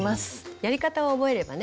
やり方を覚えればね